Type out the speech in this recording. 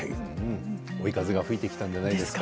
追い風が吹いてきたんじゃないですか。